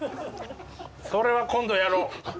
それは今度やろう。